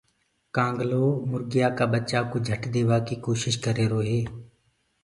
ڪآنگلآ مُريآ ڪآ ٻچآ ڪوُ جھٽ ديوآ ڪي ڪوشش ڪر رهيرو هي۔